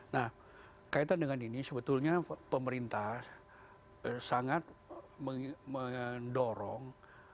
nah kaitan dengan ini sebetulnya pemerintah sangat mendorong